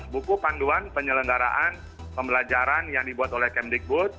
buku panduan penyelenggaraan pembelajaran yang dibuat oleh kemdikbud